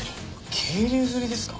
渓流釣りですか？